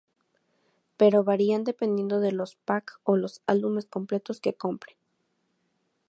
Pero varían dependiendo de los Pack o los álbumes completos que compren.